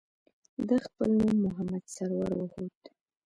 ده خپل نوم محمد سرور وښوده.